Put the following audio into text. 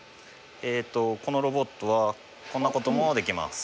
えっとこのロボットはこんなこともできます。